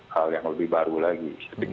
hal yang lebih baru lagi